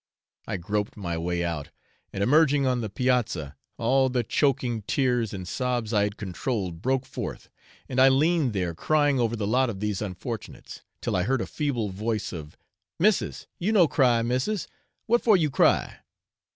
I groped my way out, and emerging on the piazza, all the choking tears and sobs I had controlled broke forth, and I leaned there crying over the lot of these unfortunates, till I heard a feeble voice of 'Missis, you no cry; missis, what for you cry?'